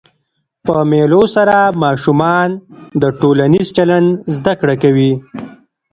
په مېلو سره ماشومان د ټولنیز چلند زده کړه کوي.